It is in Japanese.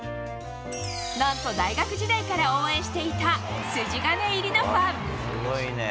何と、大学時代から応援していた筋金入りのファン。